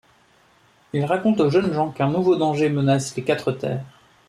Il raconte aux jeunes gens qu'un nouveau danger menace les quatre terres.